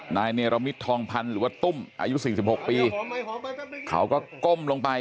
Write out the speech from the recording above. นายเนรมิตทองพันธ์หรือว่าตุ้มอายุ๔๖ปีเขาก็ก้มลงไป